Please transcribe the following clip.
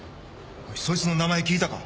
そいつの名前聞いたか？